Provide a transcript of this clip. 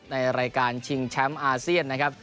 ในรายการชิงแชมป์อาเซียนนะครับ